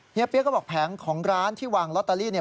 เฮียเปี๊ยกก็บอกแผงของร้านที่วางลอตเตอรี่